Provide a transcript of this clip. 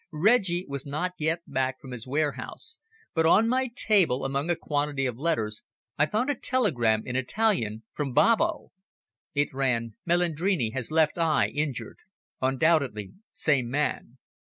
Reggie was not yet back from his warehouse, but on my table among a quantity of letters I found a telegram in Italian from Babbo. It ran: "Melandrini has left eye injured. Undoubtedly same man.